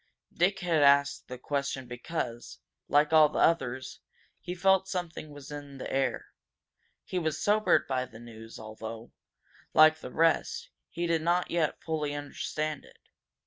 Dick had asked the question because, like all the others, he felt something that was in the air. He was sobered by the news, although, like the rest, he did not yet fully understand it.